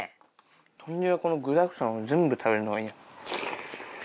豚汁はこの具だくさんを全部食べるのがいい。